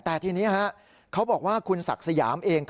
แต่ทีนี้เขาบอกว่าคุณศักดิ์สยามเอง